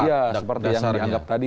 iya seperti yang dianggap tadi